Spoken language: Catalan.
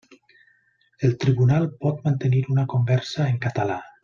El tribunal pot mantenir una conversa en català.